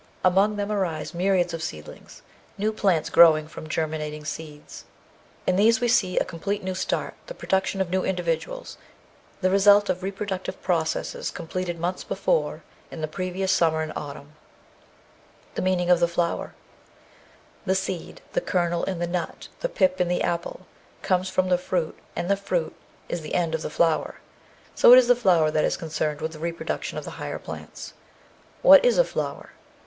Among them arise myriads of seedlings, new plants growing from germinating seeds ; in these 628 The Outline of Science we see a complete new start, the production of new individuals, the result of reproductive processes completed months before, in the previous summer and autumn. (See the article on the BIOLOGY OF THE SEASONS.) The Meaning of the Flower The seed the kernel in the nut, the pip in the apple comes from the fruit, and the fruit is the end of the flower. So it is the flower that is concerned with the reproduction of the higher plants. What is a flower?